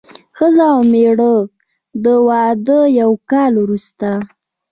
ښځه او مېړه د واده یو کال وروسته.